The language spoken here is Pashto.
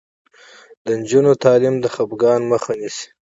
د نجونو تعلیم د خپګان مخه نیسي.